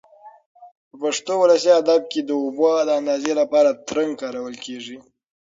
په پښتو ولسي ادب کې د اوبو د اندازې لپاره ترنګ کارول کېږي.